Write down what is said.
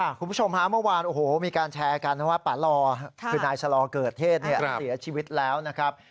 คุณผู้ชมฮะเมื่อวานโอ้โหมีการแชร์กันว่าป่าลอคือนายชะลอเกิดเทศเสียชีวิตแล้วนะครับ